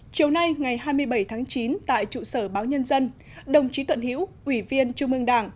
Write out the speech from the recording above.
chiều nay ngày hai mươi bảy tháng chín tại trụ sở báo nhân dân đồng chí thuận hiễu ủy viên trung ương đảng